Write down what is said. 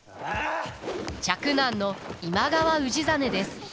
嫡男の今川氏真です。